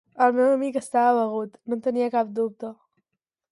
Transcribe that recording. El meu amic estava begut, no en tenia cap dubte.